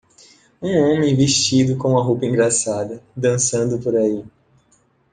Um homem vestido com uma roupa engraçada dançando por aí.